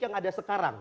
yang ada sekarang